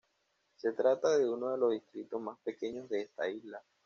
Se trata de uno de los distritos más pequeños de esta isla.